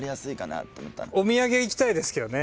お土産いきたいですけどね。